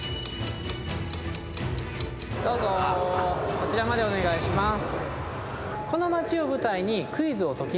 こちらまでお願いします。